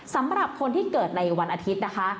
สำหรับคนที่เกิดในวันอาทิตย์นะคะ